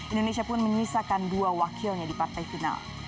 indonesia pun menyisakan dua wakilnya di partai final